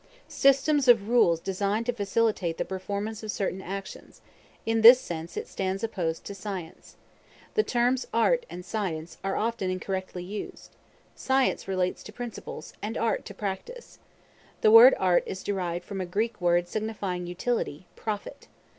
Systems of rules designed to facilitate the performance of certain actions; in this sense, it stands opposed to science. The terms art and science are often incorrectly used. Science relates to principles, and art to practice. The word art is derived from a Greek word signifying utility, profit.